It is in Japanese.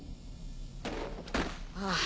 ああ。